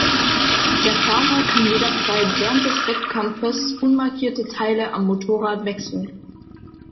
Der Fahrer kann jederzeit während des Wettkampfes unmarkierte Teile am Motorrad wechseln.